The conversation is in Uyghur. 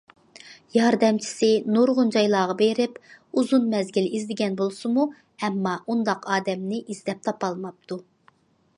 ياردەمچىسى نۇرغۇن جايلارغا بېرىپ، ئۇزۇن مەزگىل ئىزدىگەن بولسىمۇ، ئەمما ئۇنداق ئادەمنى ئىزدەپ تاپالماپتۇ.